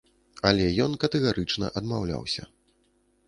Але ён катэгарычна адмаўляўся.